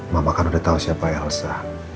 mama kan udah tau siapa elsa